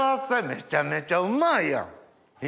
めちゃめちゃうまいやん！